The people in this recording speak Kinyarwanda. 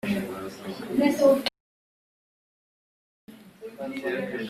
Tom yambara ikanzu ye